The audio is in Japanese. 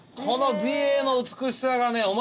この美瑛の美しさがね